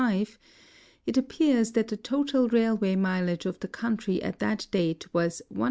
'10, it appears that tlie total railway mileage of the country at that date was 180